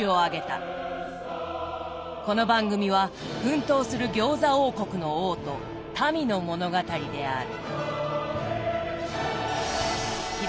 この番組は奮闘する餃子王国の王と民の物語である。